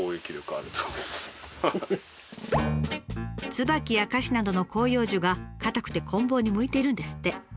ツバキやカシなどの広葉樹がかたくてこん棒に向いてるんですって。